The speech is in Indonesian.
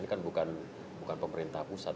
ini kan bukan pemerintah pusat